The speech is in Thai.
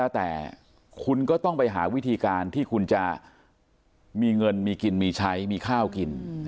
แล้วแต่คุณก็ต้องไปหาวิธีการที่คุณจะมีเงินมีกินมีใช้มีข้าวกิน